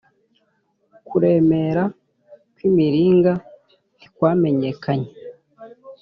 kuremera kw’imiringa ntikwamenyekanye